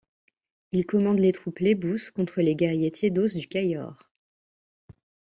Il commande les troupes lébous contre les guerriers tiédos du Cayor.